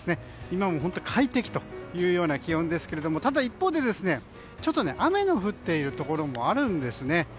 今も快適というような気温ですがただ一方でちょっと雨の降っているところもあるんですね。